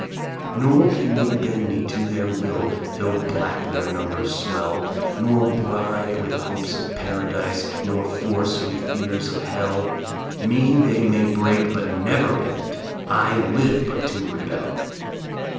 Nor can they bend me to their will Though black their numbers swell, Nor bribe with hopes of paradise Nor force with fears of hell; Me they may break but never bend, I live but to rebel!